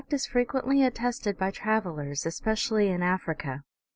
157 is frequently attested by travellers, especially in Africa.